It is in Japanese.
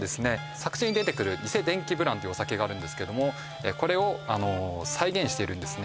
作中に出てくる偽電気ブランというお酒があるんですけどもこれをあの再現してるんですね